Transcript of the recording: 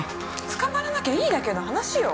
捕まらなきゃいいだけの話よ。